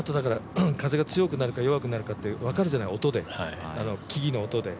風が強くなるか、弱くなるか分かるじゃない、木々の音で。